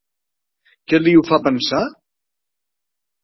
Què li ho fa pensar?